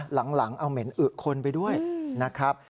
หลังเอาเหม็นอึคนไปด้วยนะครับ